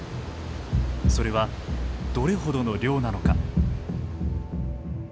それはどれほどの量なのか。